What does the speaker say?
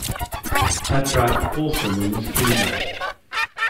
Adrak also means Ginger.